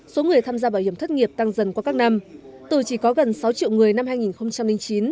số người tham gia bảo hiểm thất nghiệp tăng dần qua các năm từ chỉ có gần sáu triệu người năm hai nghìn chín